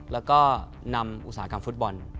แล้วก็นำอุตสาหกรรมฟุตบอล